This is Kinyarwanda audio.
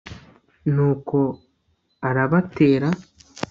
nuko arabatera